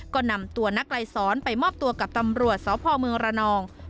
ก็นำตัวนักไลสอนไปมอบตัวกับตำรวจสพเมืองระนอง